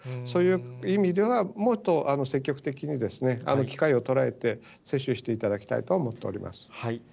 そういう意味では、もっと積極的に機会を捉えて接種していただきたいと思っております。